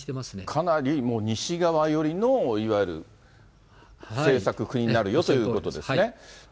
かなり西側寄りのいわゆる政策、国になるよということですね。